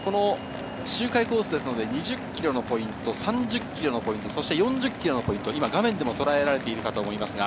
周回コースなので２０ｋｍのポイント、３０ｋｍのポイント、４０ｋｍのポイント、画面でもとらえられていますが、